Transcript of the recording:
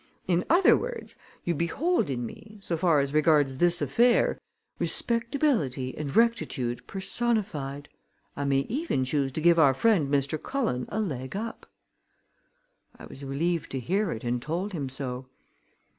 In other words, you behold in me, so far as regards this affair, respectability and rectitude personified. I may even choose to give our friend Mr. Cullen a leg up." I was relieved to hear it and told him so.